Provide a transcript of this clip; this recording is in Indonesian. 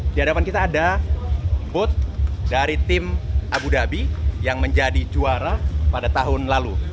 di hadapan kita ada bot dari tim abu dhabi yang menjadi juara pada tahun lalu